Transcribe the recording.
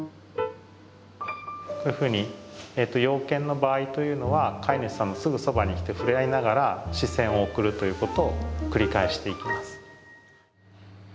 こういうふうに洋犬の場合というのは飼い主さんのすぐそばに来て触れ合いながら視線を送るということを繰り返していきます。